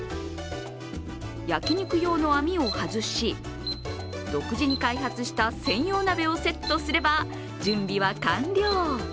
焼き肉用の網を外し、独自に開発した専用鍋をセットすれば準備は完了。